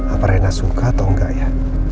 apa rena suka atau enggak ya